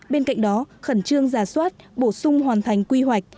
bên cạnh đó khẩn trương giả soát bổ sung hoàn thành quy hoạch